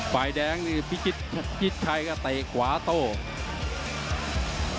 ฝ่ายแดงนี่พิชิตชัยก็เตะขวาโต้